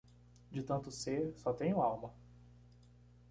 De tanto ser, só tenho alma.